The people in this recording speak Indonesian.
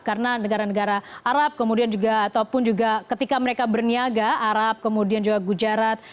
karena negara negara arab kemudian juga ataupun juga ketika mereka berniaga arab kemudian juga gujarat